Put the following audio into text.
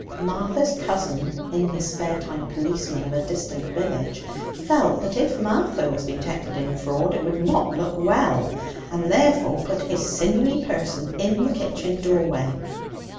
Martha's cousin in his spare time policeman of a distant village felt that if Martha was detected in fraud it would not look well, and therefore put his sinewy person in the kitchen doorway.